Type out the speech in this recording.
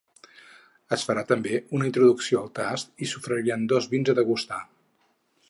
Es farà també una introducció al tast i s’oferiran dos vins a degustar.